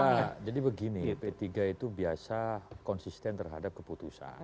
ya jadi begini p tiga itu biasa konsisten terhadap keputusan